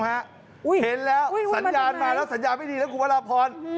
เห็นแล้วสัญญาณมาแล้วสัญญาณไม่ดีนะคุณพระราพร